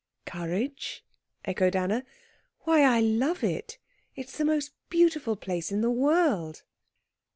"Courage?" echoed Anna. "Why, I love it. It's the most beautiful place in the world."